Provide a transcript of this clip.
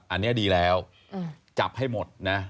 อันนี้ดีแล้วจับให้หมดนะ